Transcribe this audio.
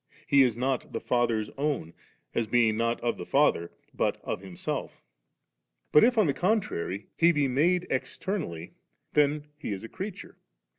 He is not the Father's own, as being not of the Father, but of Himself. But if on the contrary He be made externally, then is He a creature.